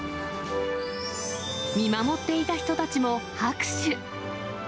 見守っていた人たちも拍手。